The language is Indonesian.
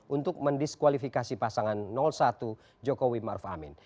untuk mendiskualifikasi pasangan satu jokowi marfamin